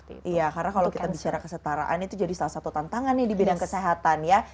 iya karena kalau kita bicara kesetaraan itu jadi salah satu tantangan nih di bidang kesehatan ya